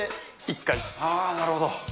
なるほど。